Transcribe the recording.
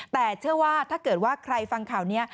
แต่เชื่อว่าถ้าเกิดว่าใครฟังข่าวนี้